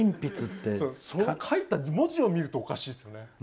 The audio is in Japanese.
書いた文字を見るとおかしいですよね。